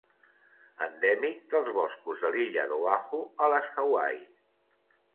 Endèmic dels boscos de l'illa d'Oahu, a les Hawaii.